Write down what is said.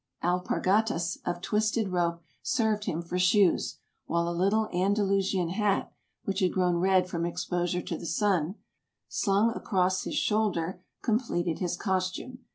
Alpargatas of twisted rope served him for shoes, while a little Andalusian hat, which had grown red from exposure to the sun, a carbine and a powder flask, slung across his shoulder, completed his costume.